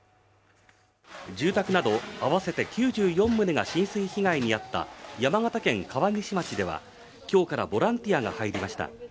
住宅など合わせて９４棟が浸水被害に遭った山形県川西町では今日からボランティアが入りました。